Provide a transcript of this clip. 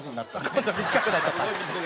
今度は短くなっちゃった。